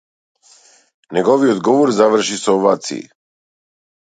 Неговиот говор заврши со овации.